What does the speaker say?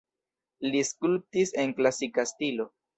Li skulptis en klasika stilo.